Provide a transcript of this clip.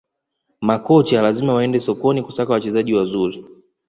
Makocha lazima waende sokoni kusaka wachezaji wazuri